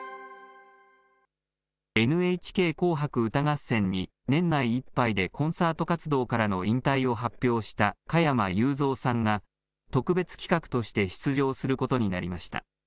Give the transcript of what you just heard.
ＮＨＫ紅白歌合戦に、年内いっぱいでコンサート活動からの引退を発表した加山雄三さんが、特別企画として出場することになりました。